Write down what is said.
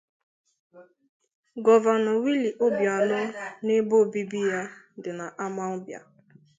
gọvanọ Willie Obianọ n'ebe obibi ya dị n'Amawbịa